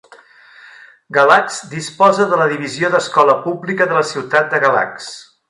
Galax disposa de la divisió d'escola pública de la ciutat de Galax.